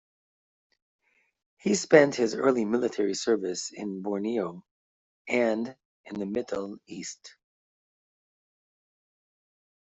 He spent his early military service in Borneo and in the Middle East.